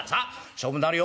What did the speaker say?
勝負になるよ。